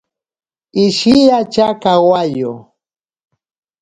Ishiatya kawayo.